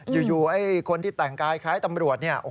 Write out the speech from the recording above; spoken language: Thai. อยู่ไอ้คนที่แต่งกายคล้ายตำรวจเนี่ย